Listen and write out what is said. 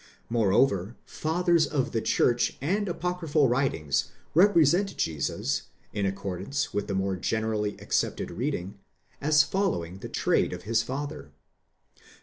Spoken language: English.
Moreover Fathers of the Church and apocryphal writ ings represent Jesus, in accordance with the more generally accepted reading, as following the trade of his father.